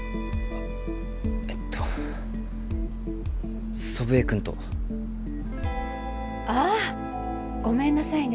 えっと祖父江君とああごめんなさいね